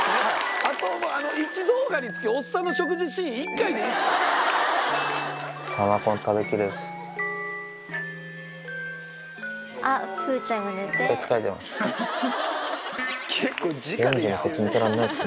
あと１動画につきおっさんの食事シーン１回でいいんですよ。